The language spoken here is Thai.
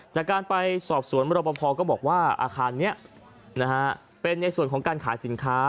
จากการไปสอบสวนมรปภก็บอกว่าอาคารนี้เป็นในส่วนของการขายสินค้า